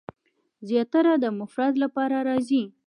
زیاتره د مفرد لپاره راځي.